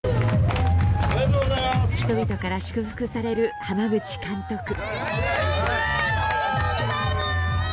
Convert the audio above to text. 人々から祝福される濱口監督。